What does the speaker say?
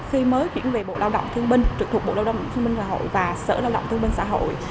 khi mới chuyển về bộ lao động thương minh trực thuộc bộ lao động thương minh và sở lao động thương minh xã hội